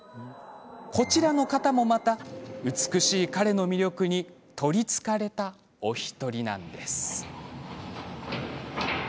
こちらの方もまた「美しい彼」の魅力に取りつかれた１人。